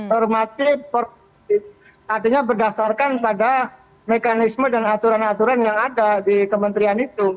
hormatif artinya berdasarkan pada mekanisme dan aturan aturan yang ada di kementerian itu